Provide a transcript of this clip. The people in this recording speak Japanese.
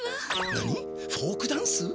何っフォークダンス？